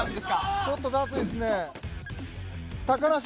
ちょっと雑いですね。